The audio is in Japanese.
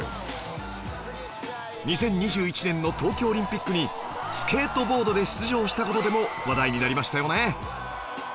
２０２１年の東京オリンピックにスケートボードで出場した事でも話題になりましたよね